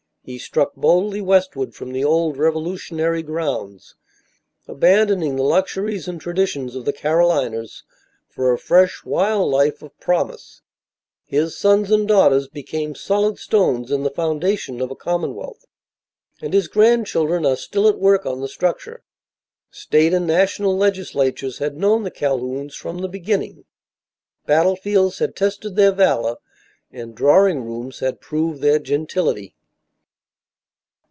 He struck boldly westward from the old revolutionary grounds, abandoning the luxuries and traditions of the Carolinas for a fresh, wild life of promise. His sons and daughters became solid stones in the foundation of a commonwealth, and his grandchildren are still at work on the structure. State and national legislatures had known the Calhouns from the beginning. Battlefields had tested their valor, and drawing rooms had proved their gentility.